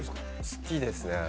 好きですね。